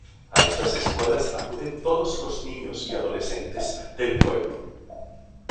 A estas escuelas acuden todos los niños y adolescentes del pueblo.